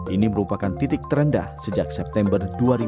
ini merupakan titik terendah sejak september dua ribu dua puluh